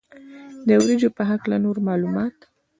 د وریجو په هکله نور معلومات.